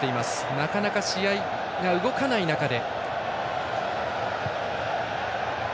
なかなか試合が動かない中で。